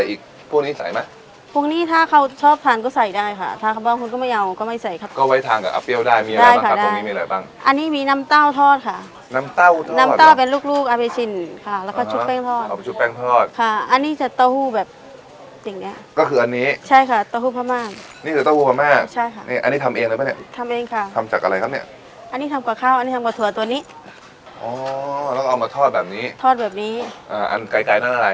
นี่เป็นถั่วเหลืองนี่เป็นถั่วเหลืองนี่เป็นถั่วเหลืองนี่เป็นถั่วเหลืองนี่เป็นถั่วเหลืองนี่เป็นถั่วเหลืองนี่เป็นถั่วเหลืองนี่เป็นถั่วเหลืองนี่เป็นถั่วเหลืองนี่เป็นถั่วเหลืองนี่เป็นถั่วเหลืองนี่เป็นถั่วเหลืองนี่เป็นถั่วเหลืองนี่เป็นถั่วเหลืองนี่เป็นถั่วเหลืองนี่เป็นถั่วเหลืองนี่เป็นถั่วเหลื